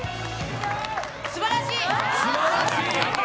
すばらしい！